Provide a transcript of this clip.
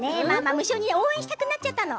無性に応援したくなっちゃったの。